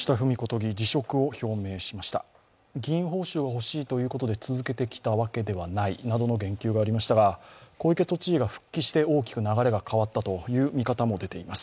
議員報酬を欲しいということで続けてきたわけではないとの言及がありましたが小池都知事が復帰して大きく流れが変わったという見方も出てきています。